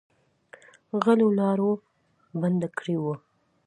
غلو لاره بنده کړې وه.